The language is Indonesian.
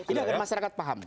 ini agar masyarakat paham